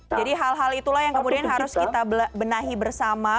jadi hal hal itulah yang kemudian harus kita benahi bersama